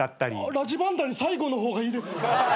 ラジバンダリ最後の方がいいですよ。